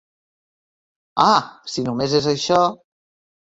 Ah, si només és això.